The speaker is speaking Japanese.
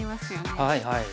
はいはい。